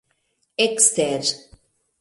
ekster